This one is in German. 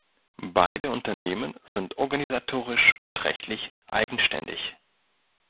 Beide Unternehmen sind organisatorisch und rechtlich eigenständig.